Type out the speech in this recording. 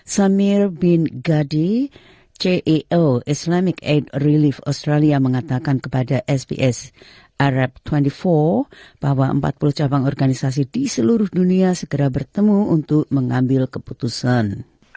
samir bin gadi ceo islamic aid relief australia mengatakan kepada sbs arab dua puluh empat bahwa empat puluh cabang organisasi di seluruh dunia segera bertemu untuk mengambil keputusan